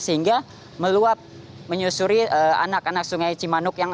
sehingga meluap menyusuri anak anak sungai cimanuk